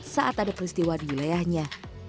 saat ada peristiwa di wilayahnya